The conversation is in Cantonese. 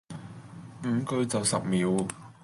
五句就十秒